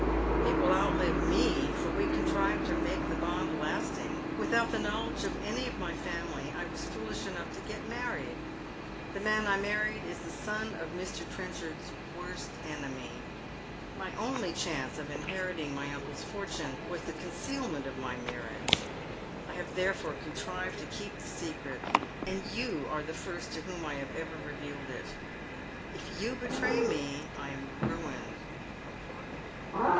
" It will outlive me, for we contrived to mak3 the bond last ing Without the knowledge of any of my family I was foolish eno Jgh to get married ! The man I married is the son of Mr. Trenchjvrd's worst enemy. My only chance of inheriting my uni le's fortune was the concealment of my marriage. I have the.efofe contrived to keep the secret, and you are the first to whom 1 ^ave ever revealed it. If you betray me I am rained.